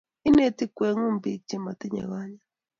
Ineti ng'wengu biik che matinye konyit